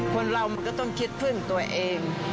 คนเรามันก็ต้องคิดพึ่งตัวเอง